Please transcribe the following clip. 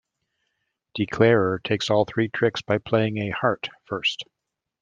Declarer takes all three tricks by playing a heart first.